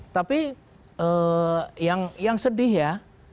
tapi yang sedih ya